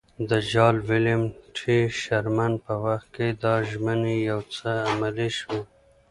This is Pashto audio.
د جال ویلیم ټي شرمن په وخت کې دا ژمنې یو څه عملي شوې.